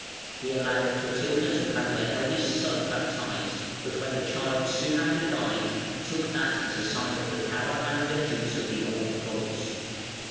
He allowed Clotilda to have her eldest son baptised, but when the child soon after died, he took that as a sign of the power and vengeance of the old gods.